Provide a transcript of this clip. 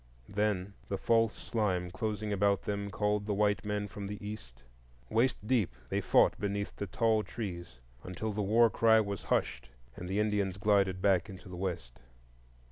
Then the false slime closing about them called the white men from the east. Waist deep, they fought beneath the tall trees, until the war cry was hushed and the Indians glided back into the west.